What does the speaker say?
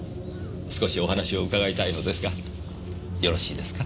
少しお話を伺いたいのですがよろしいですか？